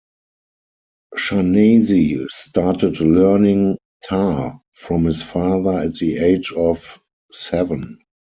Shahnazi started learning tar from his father at the age of seven.